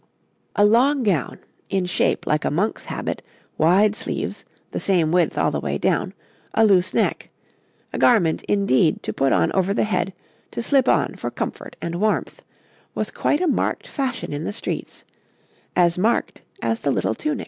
}] A long gown, in shape like a monk's habit, wide sleeves, the same width all the way down, a loose neck a garment indeed to put on over the head, to slip on for comfort and warmth was quite a marked fashion in the streets as marked as the little tunic.